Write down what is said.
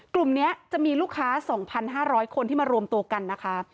กลุ่มนี้จะมีลูกค้า๒๕๐๐คนที่มารวมตัวกันนะคะ